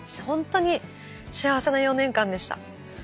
ほんとに幸せな４年間でした。